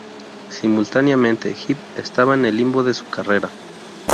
Simultáneamente, Heap estaba en el limbo de su carrera.